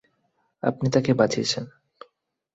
আপনি তাকে বাঁচিয়েছন।